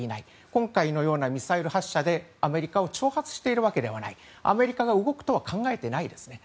今回のようなミサイル発射でアメリカを挑発しているわけではないアメリカが動くとは考えていないですね。